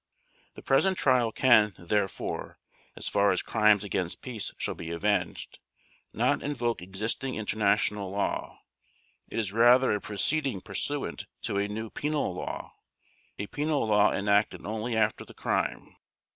The present Trial can, therefore, as far as Crimes against Peace shall be avenged, not invoke existing international law, it is rather a proceeding pursuant to a new penal law, a penal law enacted only after the crime.